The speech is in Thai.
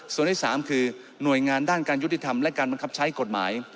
ส่วนที่๓คือหน่วยงานด้านการยุติธรรมและการบังคับใช้กฎหมาย